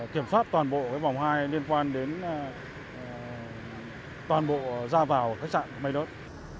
kiểm soát toàn bộ vòng hai liên quan đến toàn bộ ra vào khách trạng main earth